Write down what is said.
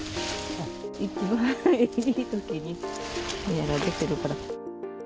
一番いいときにやられてるから。